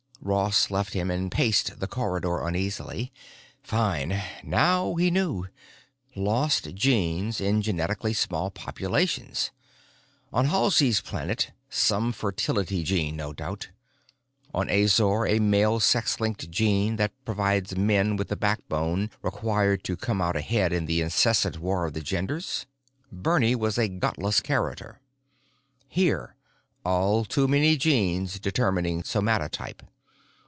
Ross left him and paced the corridor uneasily. Fine. Now he knew. Lost genes in genetically small populations. On Halsey's Planet, some fertility gene, no doubt. On Azor, a male sex linked gene that provides men with the backbone required to come out ahead in the incessant war of the genders? Bernie was a gutless character. Here, all too many genes determining somatotype.